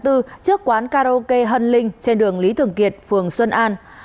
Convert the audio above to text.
trước quán karaoke hân linh trên đường lý thường kiệt phường xuân an